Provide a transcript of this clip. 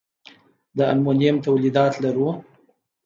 د المونیم تولیدات لرو؟